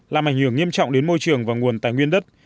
làm ảnh hưởng nghiêm trọng đến môi trường và nguồn tài nguyên đất